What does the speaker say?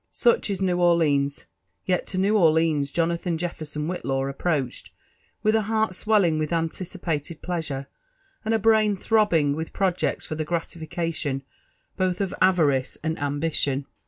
Such is New Orleans. Yet to New Orleans Jonathan Jefferson Whitlaw approached with a heart swelNng with aAticipated pleasure, and a brain throbbing with projects for the graUficalion both o( avarice and ambition.